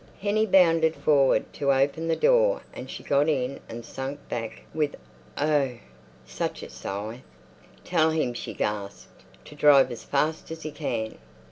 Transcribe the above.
Hennie bounded forward to open the door and she got in and sank back with—oh—such a sigh! "Tell him," she gasped, "to drive as fast as he can."